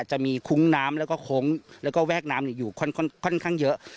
จะมีคุ้งน้ำแล้วก็โค้งแล้วก็แวกน้ำอยู่ค่อนข้างเยอะ